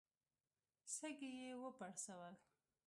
سږي يې وپړسول.